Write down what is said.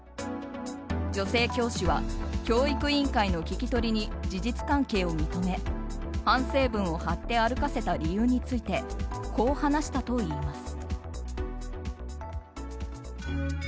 女性教師は教育委員会の聞き取りに事実関係を認め反省文を貼って歩かせた理由についてこう話したといいます。